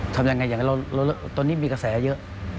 ทำอย่างไรอย่างตอนนี้มีกระแสเยอะ